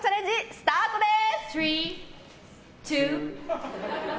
スタートです。